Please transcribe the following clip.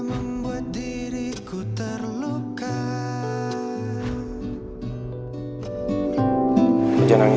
habis dayaku untuk mengingatmu